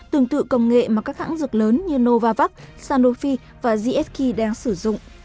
tương tự công nghệ mà các hãng dược lớn như novavax sanofi và gsk đang sử dụng